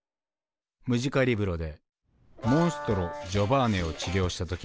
ムジカリブロでモンストロジョバーネを治療した時だ。